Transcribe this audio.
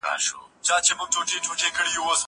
هغه وويل چي کتابتون ارام دی!!